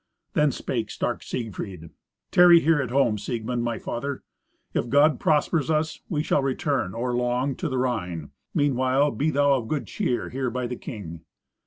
Then spake stark Siegfried, "Tarry here at home, Siegmund, my father. If God prosper us, we shall return or long to the Rhine. Meanwhile, be thou of good cheer here by the king."